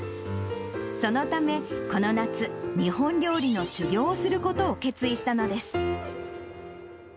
そのため、この夏、日本料理の修業をすることを決意したのです。